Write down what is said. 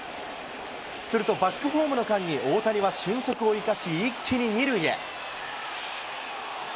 すると、バックホームの間に大谷は俊足を生かし、一気に２塁へ。